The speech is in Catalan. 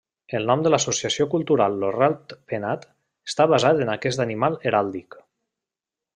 El nom de l'associació cultural Lo Rat Penat està basat en aquest animal heràldic.